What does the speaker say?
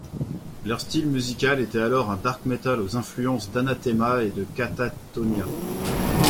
Leur style musical était alors un dark metal aux influences d'Anathema et Katatonia.